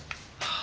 あ。